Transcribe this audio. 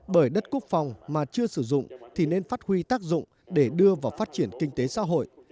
bởi đất quốc phòng mà chưa sử dụng thì nên phát huy tác dụng để đưa vào phát triển kinh tế xã hội